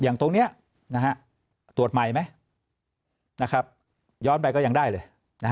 อย่างนี้ตรวจใหม่ไหมย้อนไปก็ยังได้เลย